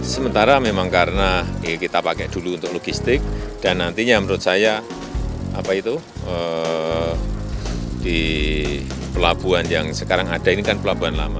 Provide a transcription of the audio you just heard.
sementara memang karena kita pakai dulu untuk logistik dan nantinya menurut saya di pelabuhan yang sekarang ada ini kan pelabuhan lama